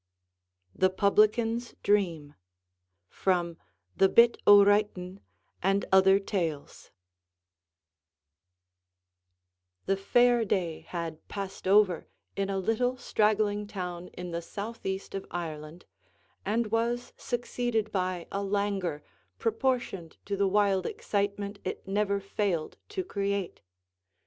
THE PUBLICAN'S DREAM From 'The Bit o' Writin' and Other Tales' The fair day had passed over in a little straggling town in the southeast of Ireland, and was succeeded by a languor proportioned to the wild excitement it never failed to create.